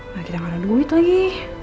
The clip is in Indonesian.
nah kita nggak ada duit lagi